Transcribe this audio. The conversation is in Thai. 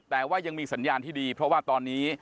แต่ว่ายังมีสัญญาณที่ดีเพราะว่าตอนนี้